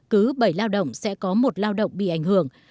cứ bảy lao động sẽ có một lao động bị ảnh hưởng